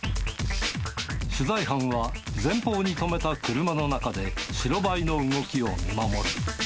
取材班は、前方に止めた車の中で、白バイの動きを見守る。